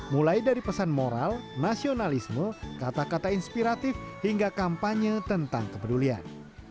mulai dari pesan moral nasionalisme kata kata inspiratif hingga kampanye tentang kepedulian